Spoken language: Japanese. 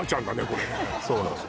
これそうなんです